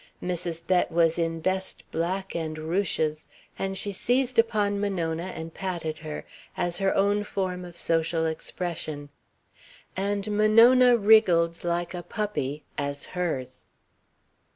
Mrs. Bett was in best black and ruches, and she seized upon Monona and patted her, as her own form of social expression; and Monona wriggled like a puppy, as hers.